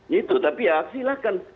gitu tapi ya silakan